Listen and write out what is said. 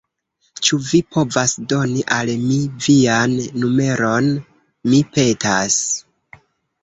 Ĉu vi povas doni al mi vian numeron? Mi petas